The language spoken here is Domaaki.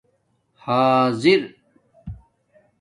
حآضِر